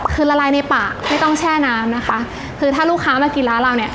คือละลายในปากไม่ต้องแช่น้ำนะคะคือถ้าลูกค้ามากินร้านเราเนี่ย